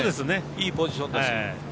いいポジションです。